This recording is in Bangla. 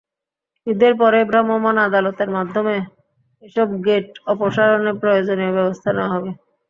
ঈদের পরেই ভ্রাম্যমাণ আদালতের মাধ্যমে এসব গেট অপসারণে প্রয়োজনীয় ব্যবস্থা নেওয়া হবে।